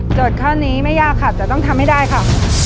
ข้อนี้ไม่ยากค่ะแต่ต้องทำให้ได้ค่ะ